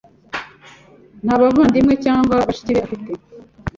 Nta bavandimwe cyangwa bashiki be afite.